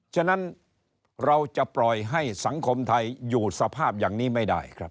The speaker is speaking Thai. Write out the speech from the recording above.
ฉะนั้นเราจะปล่อยให้สังคมไทยอยู่สภาพอย่างนี้ไม่ได้ครับ